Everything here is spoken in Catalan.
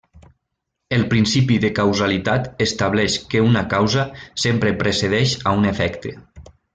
El Principi de causalitat estableix que una causa sempre precedeix a un efecte.